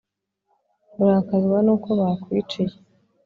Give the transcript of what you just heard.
urakazwa n'uko bakwiciye